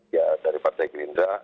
ya dari partai gerindra